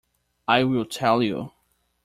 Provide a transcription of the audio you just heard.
I will tell you.